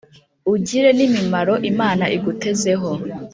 ugire n' imimaro imana igutezeho.